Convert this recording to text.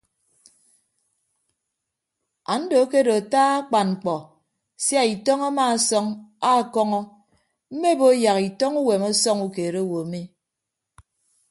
Ando akedo ata akpan mkpọ sia itọñ amaasọñ akọñọ mme mbo yak itọñ uwem ọsọñ ukeed owo mi.